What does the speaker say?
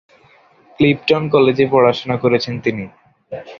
Clifton কলেজে পড়াশোনা করেছেন তিনি।